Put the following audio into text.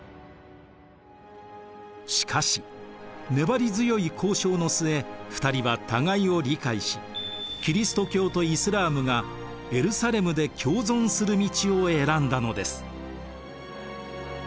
しかし粘り強い交渉の末２人は互いを理解しキリスト教とイスラームがエルサレムで共存する道を選んだのです。